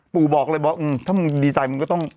บอกเลยบอกถ้ามึงดีใจมึงก็ต้อง